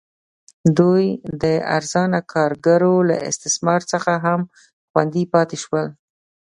دوی د ارزانه کارګرو له استثمار څخه هم خوندي پاتې شول.